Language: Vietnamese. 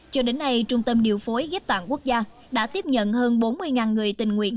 cho đến nay trung tâm điều phối ghép tạng quốc gia đã tiếp nhận hơn bốn mươi người tình nguyện